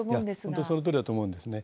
本当にそのとおりだと思うんですね。